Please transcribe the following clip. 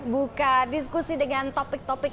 buka diskusi dengan topik topik